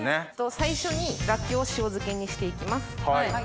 最初にラッキョウを塩漬けにして行きます。